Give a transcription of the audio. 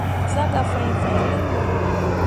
Zah gah fãi fãi linɓo.